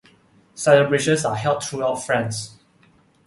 Celebrations are held throughout France.